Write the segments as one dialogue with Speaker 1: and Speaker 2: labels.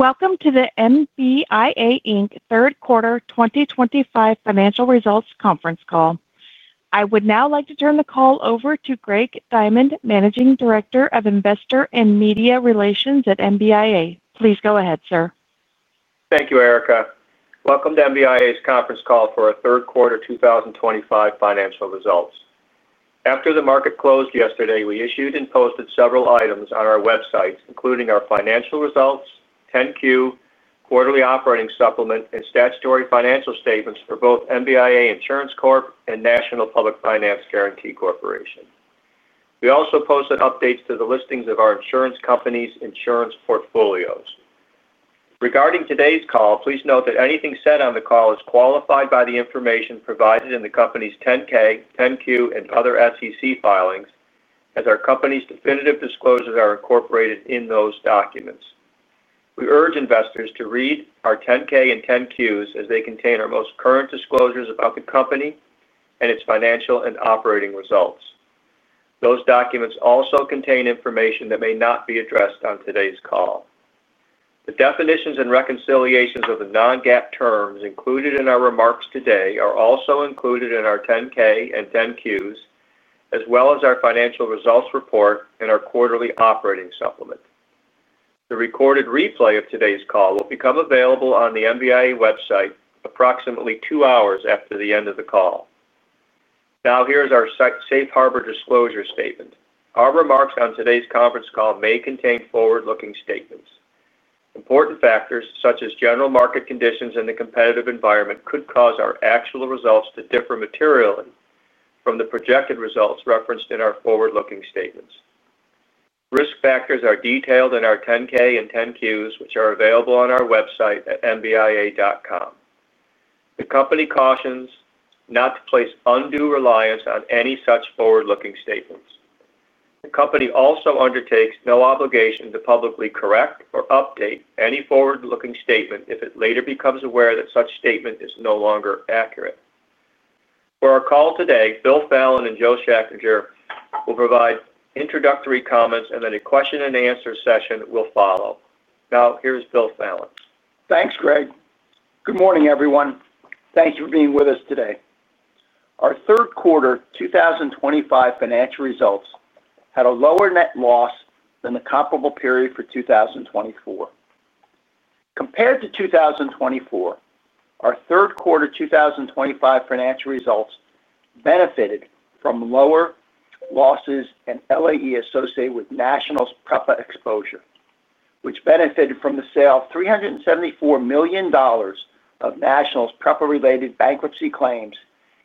Speaker 1: Welcome to the MBIA third quarter 2025 financial results conference call. I would now like to turn the call over to Greg Diamond, Managing Director of Investor and Media Relations at MBIA. Please go ahead, sir.
Speaker 2: Thank you, Erica. Welcome to MBIA's conference call for our third quarter 2025 financial results. After the market closed yesterday, we issued and posted several items on our website, including our financial results, 10-Q, quarterly operating supplement, and statutory financial statements for both MBIA Insurance Corp and National Public Finance Guarantee Corporation. We also posted updates to the listings of our insurance companies' insurance portfolios. Regarding today's call, please note that anything said on the call is qualified by the information provided in the company's 10-K, 10-Q, and other SEC filings, as our company's definitive disclosures are incorporated in those documents. We urge investors to read our 10-K and 10-Qs as they contain our most current disclosures about the company and its financial and operating results. Those documents also contain information that may not be addressed on today's call. The definitions and reconciliations of the non-GAAP terms included in our remarks today are also included in our 10-K and 10-Qs, as well as our financial results report and our quarterly operating supplement. The recorded replay of today's call will become available on the MBIA website approximately two hours after the end of the call. Now, here is our Safe Harbor Disclosure Statement. Our remarks on today's conference call may contain forward-looking statements. Important factors such as general market conditions and the competitive environment could cause our actual results to differ materially from the projected results referenced in our forward-looking statements. Risk factors are detailed in our 10-K and 10-Qs, which are available on our website at mbia.com. The company cautions not to place undue reliance on any such forward-looking statements. The company also undertakes no obligation to publicly correct or update any forward-looking statement if it later becomes aware that such statement is no longer accurate. For our call today, Bill Fallon and Joe Schachinger will provide introductory comments, and then a question-and-answer session will follow. Now, here is Bill Fallon.
Speaker 3: Thanks, Greg. Good morning, everyone. Thank you for being with us today. Our third quarter 2025 financial results had a lower net loss than the comparable period for 2024. Compared to 2024, our third quarter 2025 financial results benefited from lower losses and LAE associated with National's PREPA exposure, which benefited from the sale of $374 million of National's PREPA-related bankruptcy claims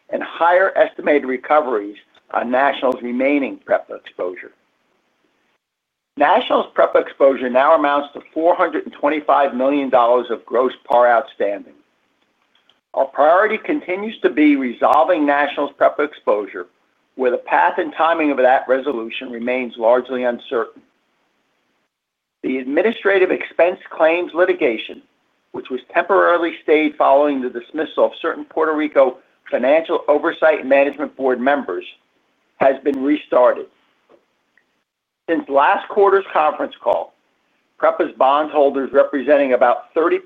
Speaker 3: and higher estimated recoveries on National's remaining PREPA exposure. National's PREPA exposure now amounts to $425 million of gross PAR outstanding. Our priority continues to be resolving National's PREPA exposure, where the path and timing of that resolution remains largely uncertain. The administrative expense claims litigation, which was temporarily stayed following the dismissal of certain Puerto Rico Financial Oversight and Management Board members, has been restarted. Since last quarter's conference call, PREPA's bondholders representing about 30%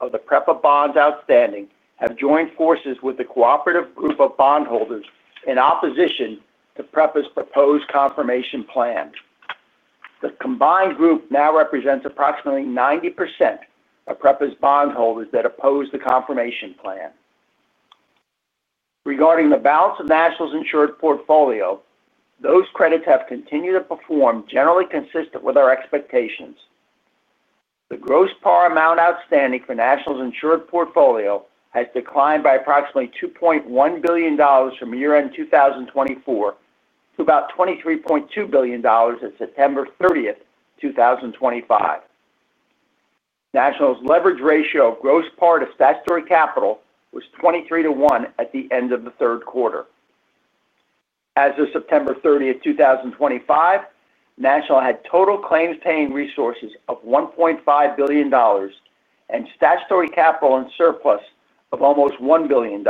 Speaker 3: of the PREPA bonds outstanding have joined forces with the cooperative group of bondholders in opposition to PREPA's proposed confirmation plan. The combined group now represents approximately 90% of PREPA's bondholders that oppose the confirmation plan. Regarding the balance of National's insured portfolio, those credits have continued to perform generally consistent with our expectations. The gross PAR amount outstanding for National's insured portfolio has declined by approximately $2.1 billion from year-end 2024 to about $23.2 billion as of September 30, 2025. National's leverage ratio of gross PAR to statutory capital was 23x to 1x at the end of the third quarter. As of September 30, 2025, National had total claims-paying resources of $1.5 billion and statutory capital in surplus of almost $1 billion.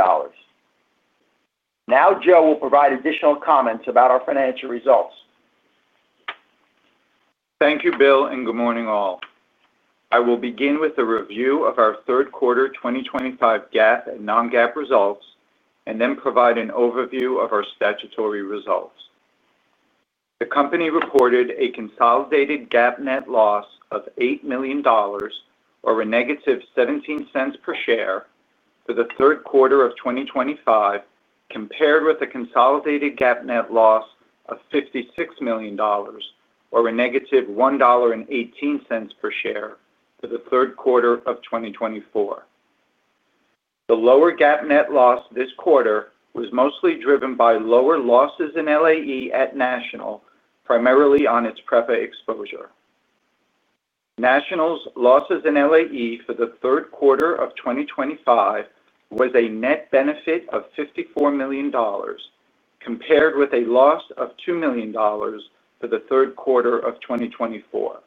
Speaker 3: Now, Joe will provide additional comments about our financial results.
Speaker 4: Thank you, Bill, and good morning, all. I will begin with a review of our third quarter 2025 GAAP and non-GAAP results and then provide an overview of our statutory results. The company reported a consolidated GAAP net loss of $8 million, or a -$0.17 per share for the third quarter of 2025, compared with a consolidated GAAP net loss of $56 million, or a -$1.18 per share for the third quarter of 2024. The lower GAAP net loss this quarter was mostly driven by lower losses in LAE at National, primarily on its PREPA exposure. National's losses in LAE for the third quarter of 2025 was a net benefit of $54 million, compared with a loss of $2 million for the third quarter of 2024.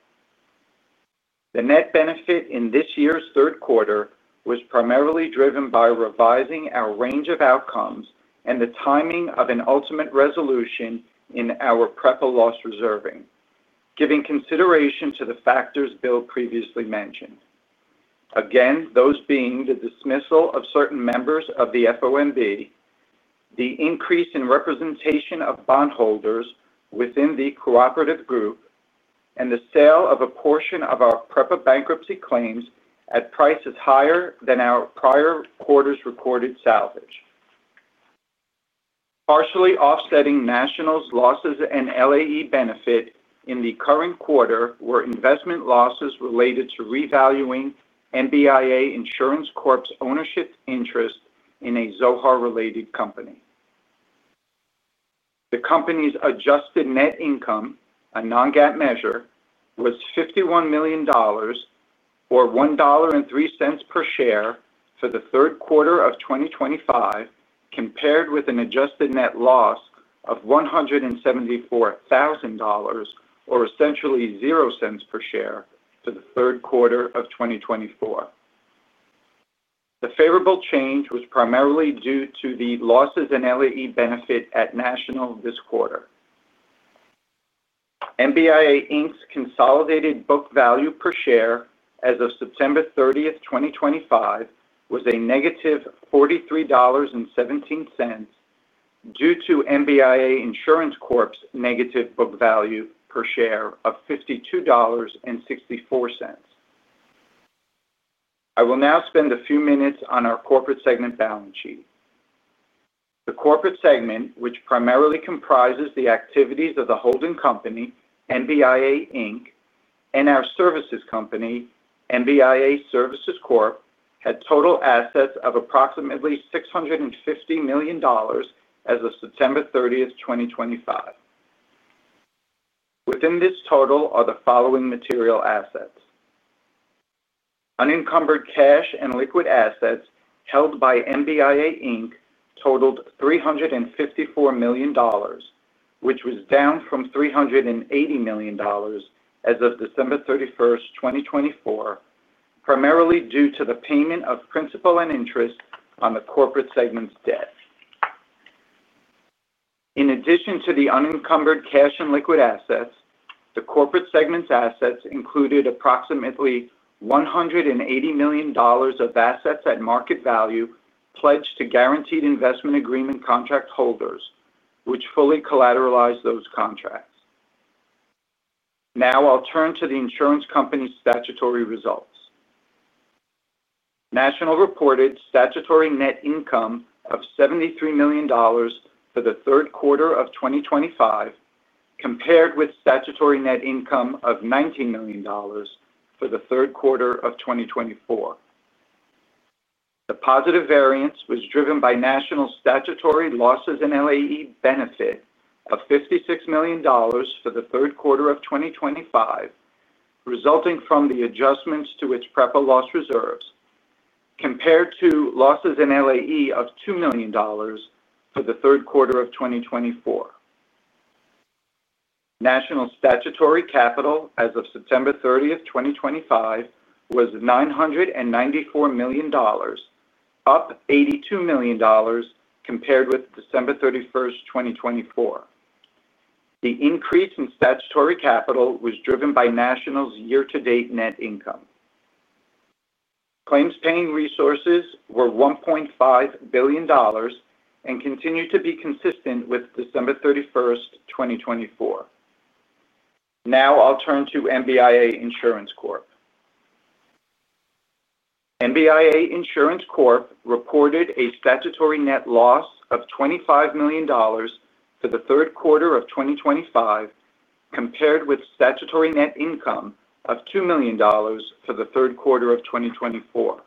Speaker 4: The net benefit in this year's third quarter was primarily driven by revising our range of outcomes and the timing of an ultimate resolution in our PREPA loss reserving, giving consideration to the factors Bill previously mentioned. Again, those being the dismissal of certain members of the FOMB. The increase in representation of bondholders within the cooperative group, and the sale of a portion of our PREPA bankruptcy claims at prices higher than our prior quarter's recorded salvage. Partially offsetting Nationals' losses and LAE benefit in the current quarter were investment losses related to revaluing MBIA Insurance Corp's ownership interest in a Zohar-related company. The company's adjusted net income, a non-GAAP measure, was $51 million, or $1.03 per share for the third quarter of 2025, compared with an adjusted net loss of $174,000 or essentially $0 per share for the third quarter of 2024. The favorable change was primarily due to the losses in LAE benefit at National this quarter. MBIA's consolidated book value per share as of September 30, 2025, was a -$43.17, due to MBIA Insurance Corp's negative book value per share of $52.64. I will now spend a few minutes on our corporate segment balance sheet. The corporate segment, which primarily comprises the activities of the holding company, MBIA Inc., and our services company, MBIA Services Corp, had total assets of approximately $650 million as of September 30, 2025. Within this total are the following material assets. Unencumbered cash and liquid assets held by MBIA Inc. totaled $354 million, which was down from $380 million as of December 31, 2024, primarily due to the payment of principal and interest on the corporate segment's debt. In addition to the unencumbered cash and liquid assets, the corporate segment's assets included approximately $180 million of assets at market value pledged to guaranteed investment agreement contract holders, which fully collateralized those contracts. Now, I'll turn to the insurance company's statutory results. National reported statutory net income of $73 million for the third quarter of 2025, compared with statutory net income of $19 million for the third quarter of 2024. The positive variance was driven by National's statutory losses in LAE benefit of $56 million for the third quarter of 2025, resulting from the adjustments to its PREPA loss reserves, compared to losses in LAE of $2 million for the third quarter of 2024. National's statutory capital as of September 30, 2025, was $994 million, up $82 million compared with December 31, 2024. The increase in statutory capital was driven by National's year-to-date net income. Claims-paying resources were $1.5 billion. They continue to be consistent with December 31, 2024. Now, I'll turn to MBIA Insurance Corp. MBIA Insurance Corp reported a statutory net loss of $25 million for the third quarter of 2025, compared with statutory net income of $2 million for the third quarter of 2024.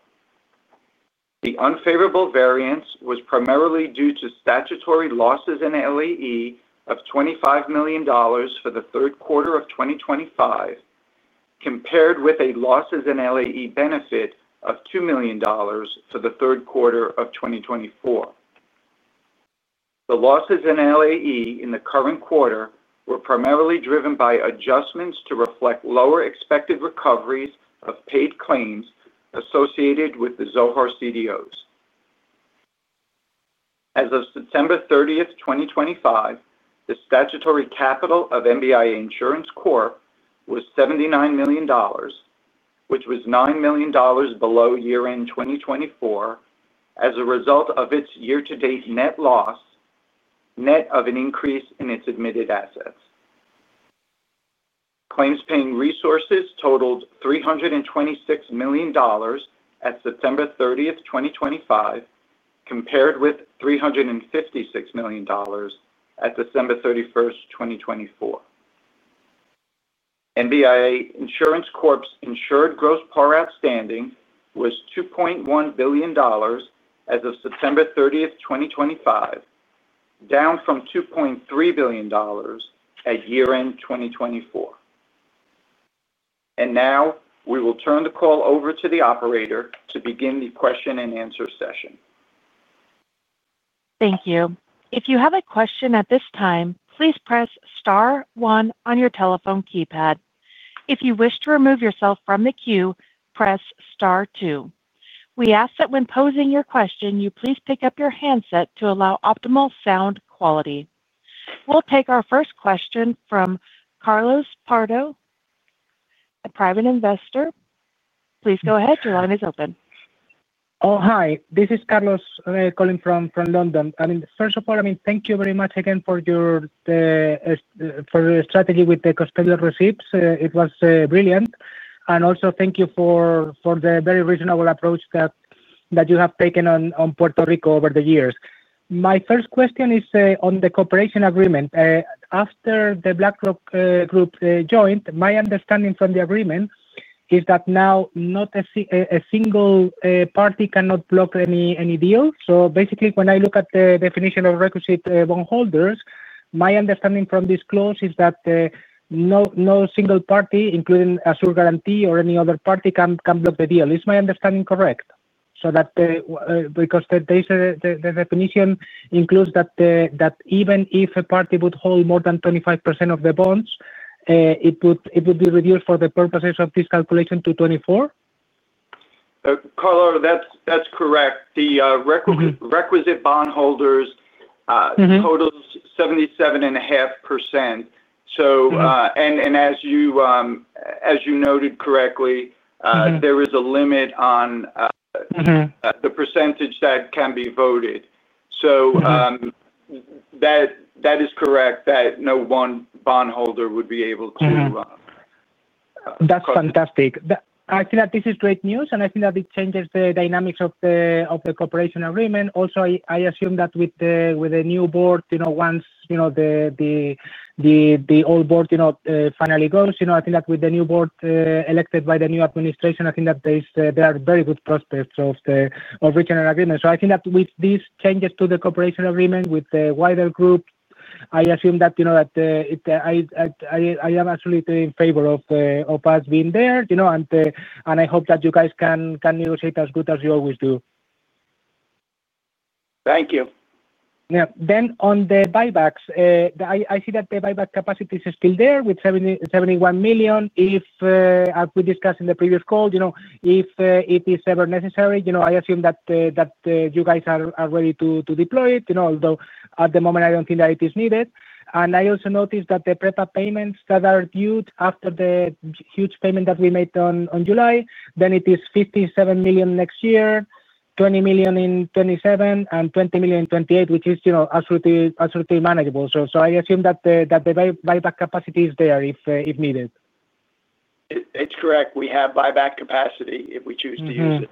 Speaker 4: The unfavorable variance was primarily due to statutory losses in LAE of $25 million for the third quarter of 2025, compared with a losses in LAE benefit of $2 million for the third quarter of 2024. The losses in LAE in the current quarter were primarily driven by adjustments to reflect lower expected recoveries of paid claims associated with the Zohar CDOs. As of September 30, 2025, the statutory capital of MBIA Insurance Corp was $79 million, which was $9 million below year-end 2024 as a result of its year-to-date net loss. Net of an increase in its admitted assets. Claims-paying resources totaled $326 million at September 30, 2025, compared with $356 million at December 31, 2024. MBIA Insurance Corp's insured gross PAR outstanding was $2.1 billion as of September 30, 2025, down from $2.3 billion at year-end 2024. We will now turn the call over to the operator to begin the question-and-answer session.
Speaker 1: Thank you. If you have a question at this time, please press star one on your telephone keypad. If you wish to remove yourself from the queue, press star two. We ask that when posing your question, you please pick up your handset to allow optimal sound quality. We'll take our first question from Carlos Pardo, a private investor. Please go ahead. Your line is open. Oh, hi. This is Carlos calling from London. I mean, first of all, I mean, thank you very much again for your strategy with the custodial receipts. It was brilliant. And also, thank you for the very reasonable approach that you have taken on Puerto Rico over the years. My first question is on the cooperation agreement. After the BlackRock group joined, my understanding from the agreement is that now not a single party can block any deal. So basically, when I look at the definition of requisite bondholders, my understanding from this clause is that no single party, including Assured Guaranty or any other party, can block the deal. Is my understanding correct? Because the definition includes that even if a party would hold more than 25% of the bonds, it would be reduced for the purposes of this calculation to 24%?
Speaker 4: Carlo, that's correct. The requisite bondholders totals 77.5%. And as you noted correctly, there is a limit on the percentage that can be voted. That is correct, that no one bondholder would be able to. That's fantastic. I think that this is great news, and I think that it changes the dynamics of the cooperation agreement. Also, I assume that with the new board, once the old board finally goes, I think that with the new board elected by the new administration, I think that there are very good prospects of regional agreements. I think that with these changes to the cooperation agreement with the wider group, I assume that I am absolutely in favor of us being there. I hope that you guys can negotiate as good as you always do. Thank you. Yeah. On the buybacks, I see that the buyback capacity is still there with $71 million. If, as we discussed in the previous call, if it is ever necessary, I assume that you guys are ready to deploy it, although at the moment, I do not think that it is needed. I also noticed that the PREPA payments that are due after the huge payment that we made in July, it is $57 million next year, $20 million in 2027, and $20 million in 2028, which is absolutely manageable. I assume that the buyback capacity is there if needed. It's correct. We have buyback capacity if we choose to use it.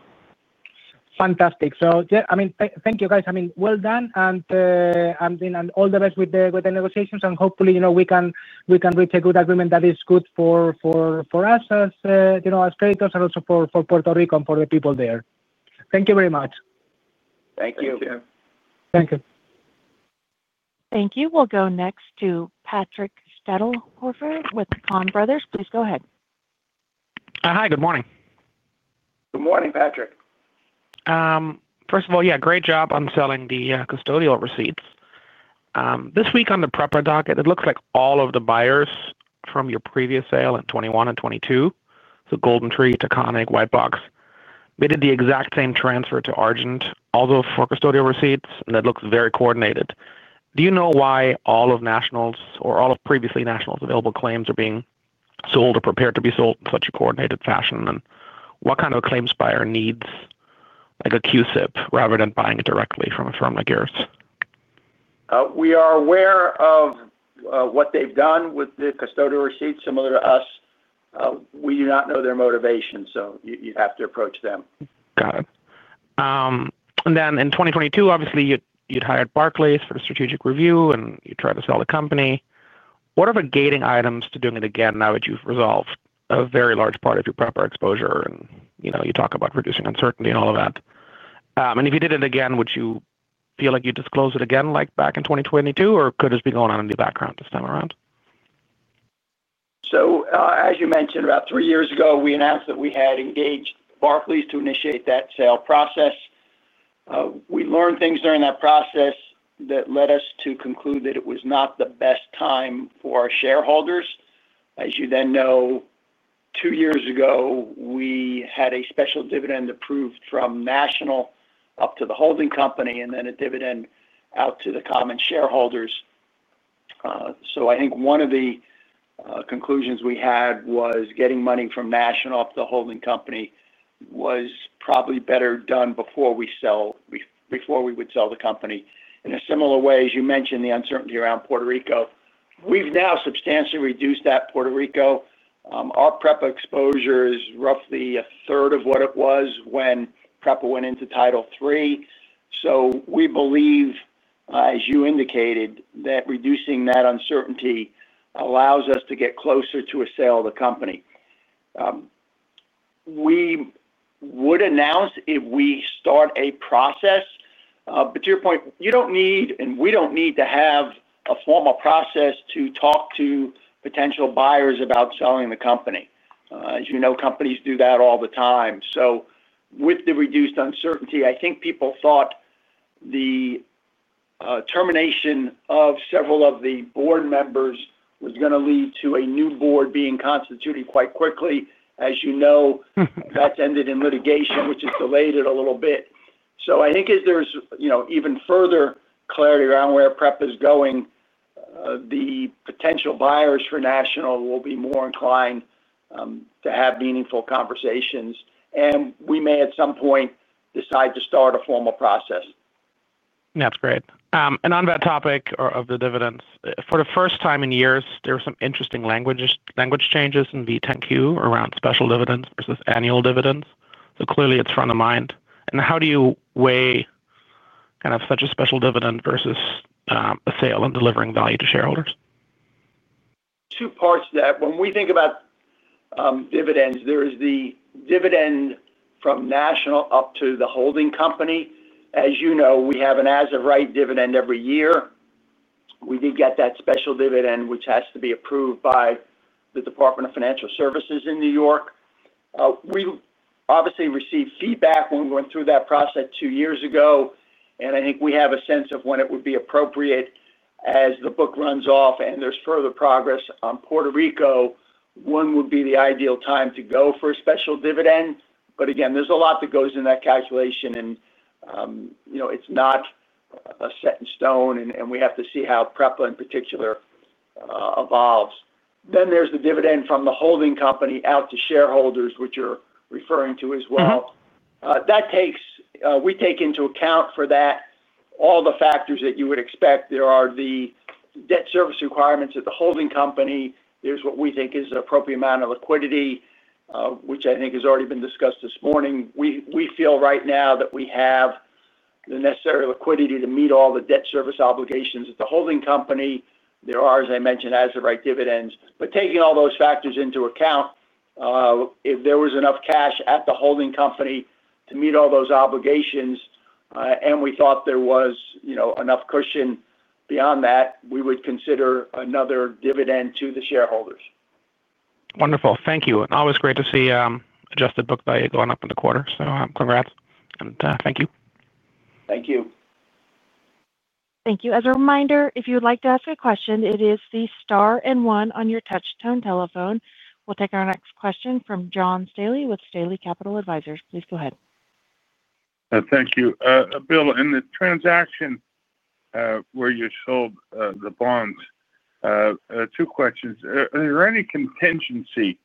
Speaker 4: Fantastic. Yeah, I mean, thank you, guys. I mean, well done. All the best with the negotiations. Hopefully, we can reach a good agreement that is good for us as creditors and also for Puerto Rico and for the people there. Thank you very much. Thank you. Thank you.
Speaker 1: Thank you. We'll go next to Patrick Stadelhofer with Kahn Brothers. Please go ahead.
Speaker 5: Hi. Good morning.
Speaker 3: Good morning, Patrick.
Speaker 5: First of all, yeah, great job on selling the custodial receipts. This week on the PREPA docket, it looks like all of the buyers from your previous sale in 2021 and 2022, so GoldenTree, Taconic, Whitebox, made the exact same transfer to Argent, also for custodial receipts, and it looks very coordinated. Do you know why all of Nationals or all of previously Nationals' available claims are being sold or prepared to be sold in such a coordinated fashion? And what kind of a claims buyer needs a CUSIP rather than buying it directly from a firm like yours?
Speaker 3: We are aware of what they've done with the custodial receipts. Similar to us. We do not know their motivation, so you have to approach them.
Speaker 5: Got it. In 2022, obviously, you'd hired Barclays for the strategic review, and you tried to sell the company. What are the gating items to doing it again now that you've resolved a very large part of your PREPA exposure? You talk about reducing uncertainty and all of that. If you did it again, would you feel like you disclosed it again like back in 2022, or could it have been going on in the background this time around?
Speaker 3: As you mentioned, about three years ago, we announced that we had engaged Barclays to initiate that sale process. We learned things during that process that led us to conclude that it was not the best time for our shareholders. As you then know, two years ago, we had a special dividend approved from National up to the holding company and then a dividend out to the common shareholders. I think one of the conclusions we had was getting money from National up to the holding company was probably better done before we would sell the company. In a similar way, as you mentioned, the uncertainty around Puerto Rico. We have now substantially reduced that Puerto Rico. Our PREPA exposure is roughly a third of what it was when PREPA went into Title III. We believe, as you indicated, that reducing that uncertainty allows us to get closer to a sale of the company. We would announce if we start a process. To your point, you do not need and we do not need to have a formal process to talk to potential buyers about selling the company. As you know, companies do that all the time. With the reduced uncertainty, I think people thought the termination of several of the board members was going to lead to a new board being constituted quite quickly. As you know, that has ended in litigation, which has delayed it a little bit. I think as there is even further clarity around where PREPA is going, the potential buyers for National will be more inclined to have meaningful conversations. We may at some point decide to start a formal process.
Speaker 5: That's great. On that topic of the dividends, for the first time in years, there were some interesting language changes in the 10-Q around special dividends versus annual dividends. Clearly, it's front of mind. How do you weigh kind of such a special dividend versus a sale and delivering value to shareholders?
Speaker 3: Two parts to that. When we think about dividends, there is the dividend from National up to the holding company. As you know, we have an as-of-right dividend every year. We did get that special dividend, which has to be approved by the Department of Financial Services in New York. We obviously received feedback when we went through that process two years ago. I think we have a sense of when it would be appropriate as the book runs off and there is further progress on Puerto Rico. When would be the ideal time to go for a special dividend? Again, there is a lot that goes in that calculation. It is not set in stone, and we have to see how PREPA in particular evolves. Then there is the dividend from the holding company out to shareholders, which you are referring to as well. We take into account for that. All the factors that you would expect. There are the debt service requirements at the holding company. There is what we think is an appropriate amount of liquidity, which I think has already been discussed this morning. We feel right now that we have the necessary liquidity to meet all the debt service obligations at the holding company. There are, as I mentioned, as-of-right dividends. Taking all those factors into account, if there was enough cash at the holding company to meet all those obligations, and we thought there was enough cushion beyond that, we would consider another dividend to the shareholders.
Speaker 5: Wonderful. Thank you. Always great to see adjusted book value going up in the quarter. Congrats. Thank you.
Speaker 3: Thank you.
Speaker 1: Thank you. As a reminder, if you would like to ask a question, it is the star and one on your touchstone telephone. We'll take our next question from John Staley with Staley Capital Advisers. Please go ahead.
Speaker 6: Thank you. Bill, in the transaction where you sold the bonds, two questions. Is there any contingency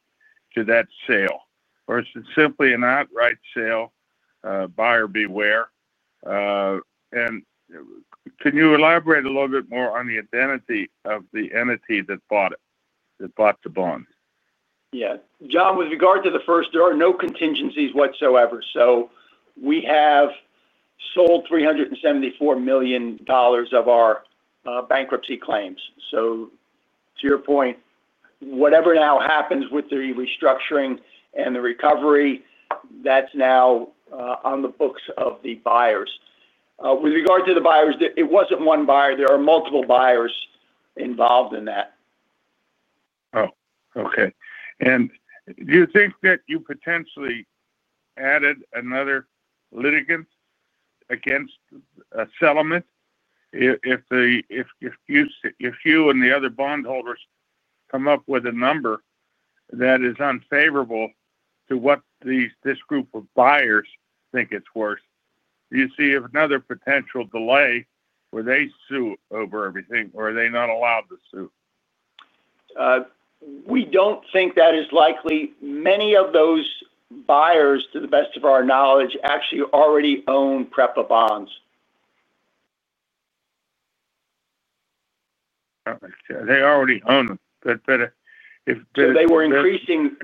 Speaker 6: to that sale, or is it simply an outright sale, buyer beware? Can you elaborate a little bit more on the identity of the entity that bought the bond?
Speaker 3: Yeah. John, with regard to the first, there are no contingencies whatsoever. So we have sold $374 million of our bankruptcy claims. To your point, whatever now happens with the restructuring and the recovery, that's now on the books of the buyers. With regard to the buyers, it wasn't one buyer. There are multiple buyers involved in that.
Speaker 6: Oh, okay. Do you think that you potentially added another litigant against a settlement? If you and the other bondholders come up with a number that is unfavorable to what this group of buyers think it's worth, do you see another potential delay where they sue over everything, or are they not allowed to sue?
Speaker 3: We don't think that is likely. Many of those buyers, to the best of our knowledge, actually already own PREPA bonds.
Speaker 6: They already own them.
Speaker 3: They were increasing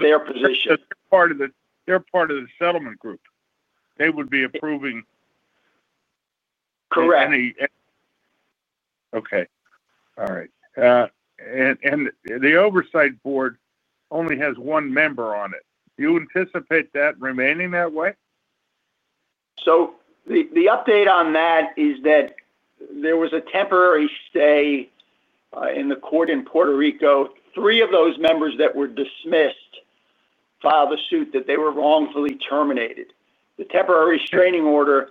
Speaker 3: their position.
Speaker 6: They're part of the settlement group. They would be approving.
Speaker 3: Correct.
Speaker 6: Okay. All right. The oversight board only has one member on it. Do you anticipate that remaining that way?
Speaker 3: The update on that is that there was a temporary stay in the court in Puerto Rico. Three of those members that were dismissed filed a suit that they were wrongfully terminated. The temporary restraining order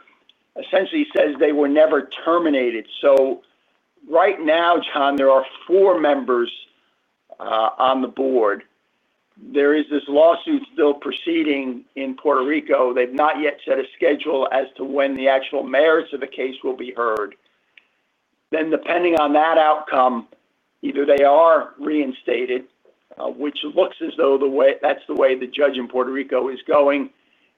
Speaker 3: essentially says they were never terminated. Right now, John, there are four members on the board. There is this lawsuit still proceeding in Puerto Rico. They've not yet set a schedule as to when the actual merits of the case will be heard. Depending on that outcome, either they are reinstated, which looks as though that's the way the judge in Puerto Rico is going.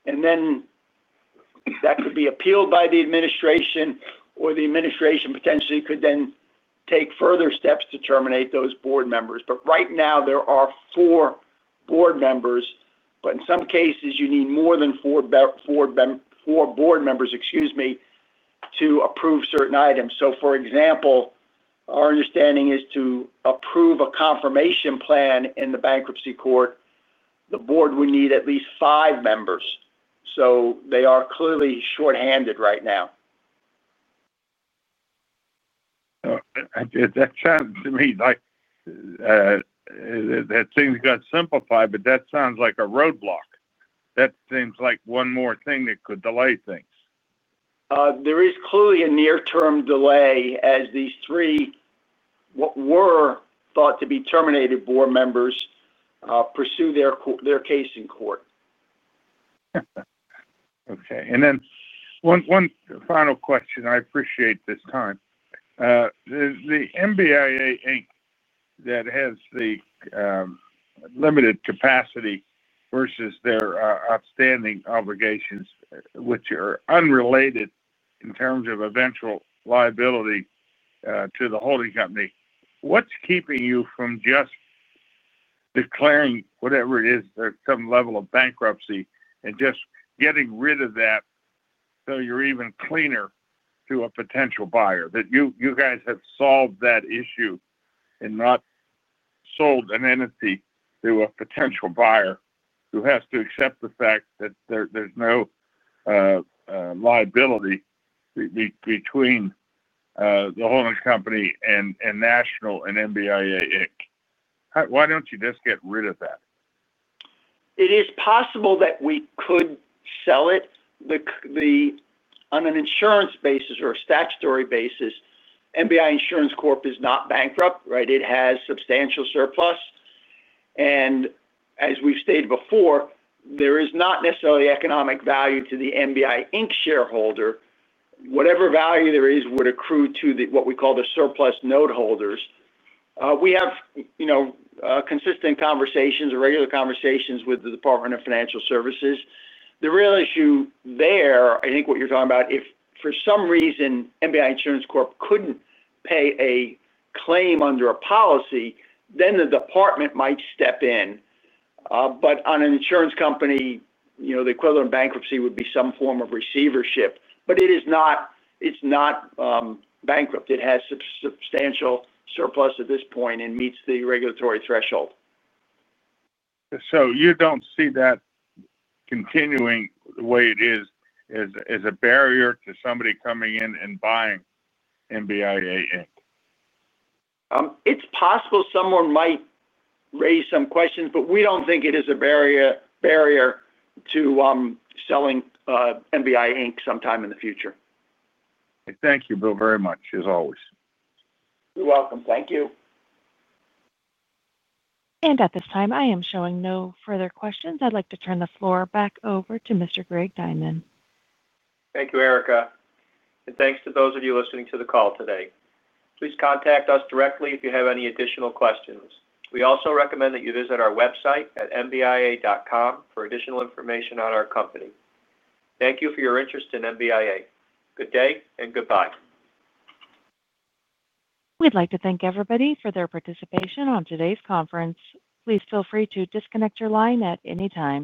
Speaker 3: That could be appealed by the administration, or the administration potentially could then take further steps to terminate those board members. Right now, there are four board members. In some cases, you need more than four. Board members, excuse me, to approve certain items. For example, our understanding is to approve a confirmation plan in the bankruptcy court, the board would need at least five members. They are clearly shorthanded right now.
Speaker 6: That sounds to me. That seems to simplify, but that sounds like a roadblock. That seems like one more thing that could delay things.
Speaker 3: There is clearly a near-term delay as these three were thought to be terminated board members pursue their case in court.
Speaker 6: Okay. One final question. I appreciate this time. The MBIA that has the limited capacity versus their outstanding obligations, which are unrelated in terms of eventual liability to the holding company, what's keeping you from just declaring whatever it is, some level of bankruptcy, and just getting rid of that? You are even cleaner to a potential buyer? That you guys have solved that issue and not sold an entity to a potential buyer who has to accept the fact that there is no liability between the holding company and National and MBIA. Why do you not just get rid of that?
Speaker 3: It is possible that we could sell it. On an insurance basis or a statutory basis, MBIA Insurance Corp is not bankrupt, right? It has substantial surplus. As we've stated before, there is not necessarily economic value to the MBIA Inc. shareholder. Whatever value there is would accrue to what we call the surplus note holders. We have consistent conversations, regular conversations with the Department of Financial Services. The real issue there, I think what you're talking about, if for some reason MBIA Insurance Corp could not pay a claim under a policy, then the department might step in. On an insurance company, the equivalent of bankruptcy would be some form of receivership. It is not bankrupt. It has substantial surplus at this point and meets the regulatory threshold.
Speaker 6: You do not see that continuing the way it is as a barrier to somebody coming in and buying MBIA Inc.?
Speaker 3: It's possible someone might raise some questions, but we don't think it is a barrier to selling MBIA Inc. sometime in the future.
Speaker 6: Thank you, Bill, very much, as always.
Speaker 3: You're welcome. Thank you.
Speaker 1: At this time, I am showing no further questions. I'd like to turn the floor back over to Mr. Greg Diamond.
Speaker 2: Thank you, Erica. Thank you to those of you listening to the call today. Please contact us directly if you have any additional questions. We also recommend that you visit our website at mbia.com for additional information on our company. Thank you for your interest in MBIA. Good day and goodbye.
Speaker 1: We'd like to thank everybody for their participation on today's conference. Please feel free to disconnect your line at any time.